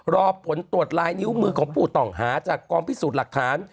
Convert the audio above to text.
รอผลตรวจลายนิ้วมือของผู้ต้องหาจากกองพิสูจน์หลักฐาน